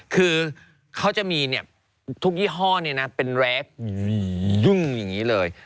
คือเขาจะมีทุกยี่ห้อเป็นแรคยุ่งอย่างนี้เลย